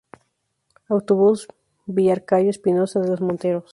Autobús, Villarcayo-Espinosa de los Monteros.